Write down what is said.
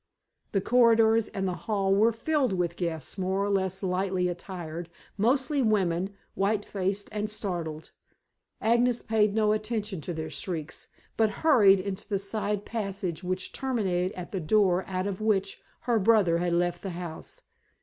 The corridors and the hall were filled with guests more or less lightly attired, mostly women, white faced and startled. Agnes paid no attention to their shrieks, but hurried into the side passage which terminated at the door out of which her brother had left the house.